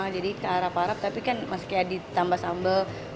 jadi ke arab arab tapi kan masih ditambah sambal